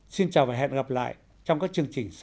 xin chào và hẹn gặp lại trong các chương trình sau